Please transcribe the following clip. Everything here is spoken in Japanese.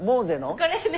・これね。